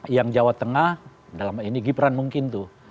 yang jawa tengah dalam ini gibran mungkin tuh